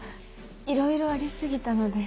いろいろあり過ぎたので。